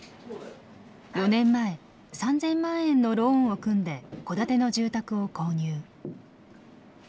４年前３，０００万円のローンを組んで戸建ての住宅を購入。